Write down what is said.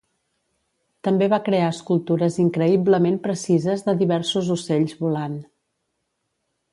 També va crear escultures increïblement precises de diversos ocells volant.